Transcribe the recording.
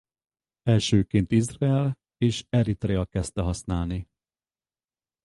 Elsőként Izrael és Eritrea kezdte használni.